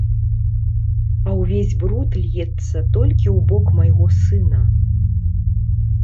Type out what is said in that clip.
А ўвесь бруд льецца толькі ў бок майго сына.